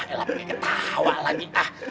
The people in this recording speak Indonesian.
elah pakai ketawa lagi